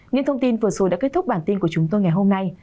những thông tin vừa rồi đã kết thúc bản tin của chúng tôi ngày hôm nay